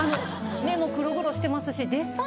目も黒々してますし。